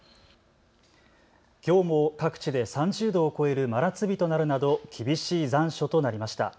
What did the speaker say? きょうも各地で３０度を超える真夏日となるなど厳しい残暑となりました。